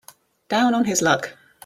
Down on his luck.